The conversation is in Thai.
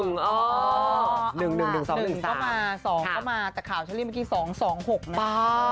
๑๑๒ก็มา๒ก็มาแต่ข่าวเชอรี่เมื่อกี้๒๒๖นะ